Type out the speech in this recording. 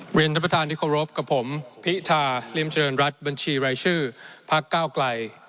ไว้ในที่ท่านที่คอโรฟกับผมภิตาเลียมเจริญรัฐบัญชีรายชื่อพเก้าไกล